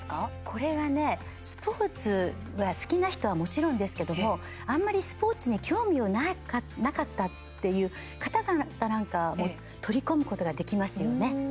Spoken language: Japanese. これはね、スポーツは好きな人はもちろんですけどもあんまりスポーツに興味をなかったっていう方がなんか取り込むことができますよね。